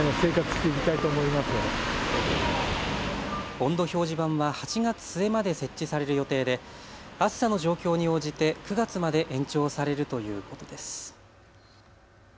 温度表示板は８月末まで設置される予定で暑さの状況に応じて９月まで延長されるということです。